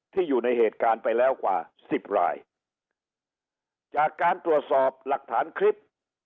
อยู่ในเหตุการณ์ไปแล้วกว่าสิบรายจากการตรวจสอบหลักฐานคลิป